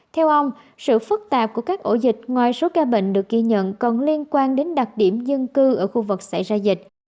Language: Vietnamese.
theo ông sự phức tạp của các ổ dịch ngoài số ca bệnh được ghi nhận còn liên quan đến đặc điểm dân cư ở khu vực xảy ra dịch